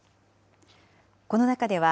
この中では、